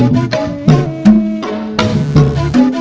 siapa di situ